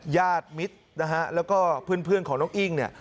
ญาติมิตรนะฮะแล้วก็เพื่อนของน้องอิ้งเนี่ย